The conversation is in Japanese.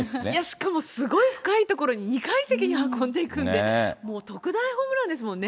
しかもすごい深い所に、２階席に運んでいくんで、もう特大ホームランですもんね。